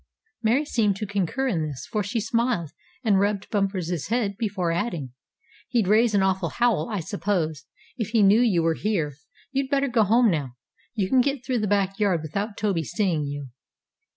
Mary seemed to concur in this, for she smiled, and rubbed Bumper's head before adding. "He'd raise an awful howl, I suppose, if he knew you were here. You'd better go home now. You can get through the backyard without Toby seeing you."